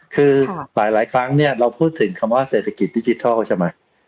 คือหลายครั้งเนี่ยเราพูดถึงคำว่าเศรษฐกิจดิจิทัลใช่ไหม